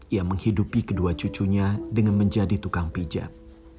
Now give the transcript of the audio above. ia menghidupi kedua cucunya dengan menjadi tukang pijat